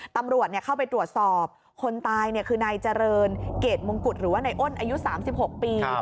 ตำรวจเข้าไปตรวจสอบคนตายคือนายเจริญเกรดมงกุฎหรือว่านายอ้นอายุ๓๖ปี